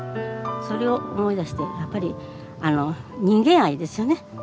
それを思い出してやっぱり人間愛ですよね。